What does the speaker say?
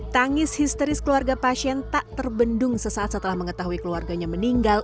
tangis histeris keluarga pasien tak terbendung sesaat setelah mengetahui keluarganya meninggal